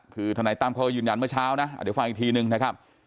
คือทนายตั้มเขาก็ยืนยันเมื่อเช้านะเดี๋ยวฟังอีกทีนึงนะครับ